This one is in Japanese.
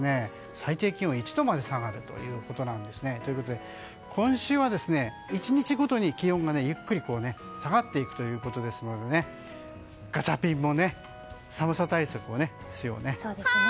最低気温１度まで下がるということです。ということで、今週は１日ごとに気温がゆっくり下がっていくということですのでガチャピンも寒さ対策をしようね。